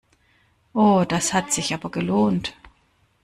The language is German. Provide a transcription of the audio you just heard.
Oh, das hat sich aber gelohnt!